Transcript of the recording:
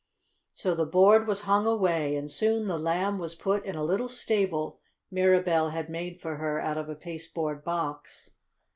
So the board was hung away, and soon the Lamb was put in a little stable Mirabell made for her out of a pasteboard box.